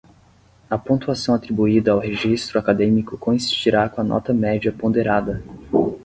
A pontuação atribuída ao registro acadêmico coincidirá com a nota média ponderada.